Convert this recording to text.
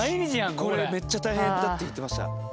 これめっちゃ大変だって言ってました。